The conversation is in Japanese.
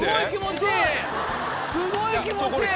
すごい気持ちいい！